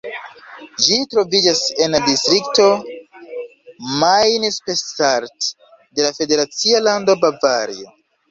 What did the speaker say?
Ĝi troviĝas en la distrikto Main-Spessart de la federacia lando Bavario.